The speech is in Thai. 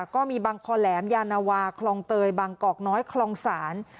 ก็มีบางคอแหลมยานาวาคลองเตยบางกอกน้อยคลองศาล